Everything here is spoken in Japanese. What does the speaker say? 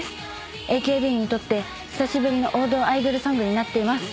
ＡＫＢにとって久しぶりの王道アイドルソングになっています。